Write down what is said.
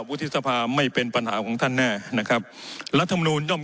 วุฒิสภาไม่เป็นปัญหาของท่านแน่นะครับรัฐมนูลย่อม